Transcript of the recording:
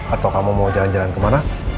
atau kamu mau jalan jalan kemana